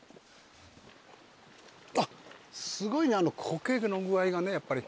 あっすごいねコケの具合がねやっぱり。